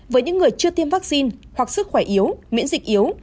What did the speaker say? với những người chưa tiêm vaccine hoặc sức khỏe yếu miễn dịch yếu